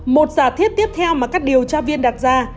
một giả thiết tiếp theo mà các điều tra viên đặt ra